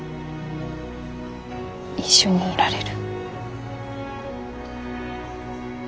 一緒にいられる。